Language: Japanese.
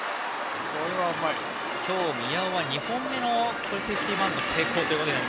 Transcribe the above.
今日、宮尾は２本目のセーフティーバント成功。